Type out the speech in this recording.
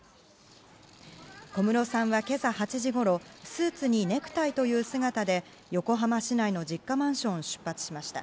小室さんは今朝８時ごろスーツにネクタイという姿で横浜市内の実家マンションを出発しました。